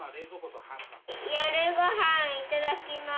夜ご飯いただきます。